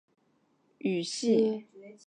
温达特语属于易洛魁语系。